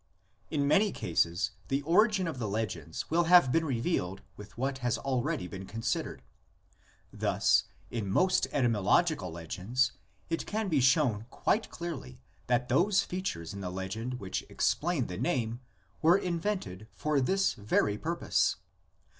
In many cases the origin of the legends will have been revealed with what has already been considered. Thus, in most etymological legends it can be shown quite clearly that those features in the legend which explain the name were invented for this very pur pose.